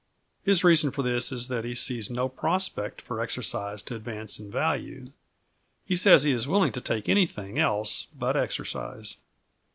His reason for this is that he sees no prospect for exercise to advance in value. He says he is willing to take anything else but exercise.